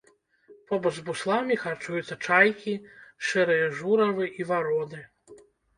Побач з бусламі харчуюцца чайкі, шэрыя журавы і вароны.